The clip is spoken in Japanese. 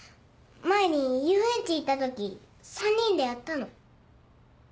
前に遊園地行った時３人でやったの。